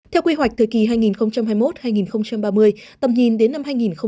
theo quy hoạch thời kỳ hai nghìn hai mươi một hai nghìn ba mươi tầm nhìn đến năm hai nghìn năm mươi